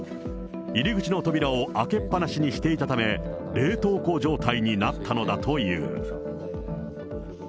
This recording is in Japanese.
入り口の扉を開けっ放しにしていたため、冷凍庫状態になったのだという。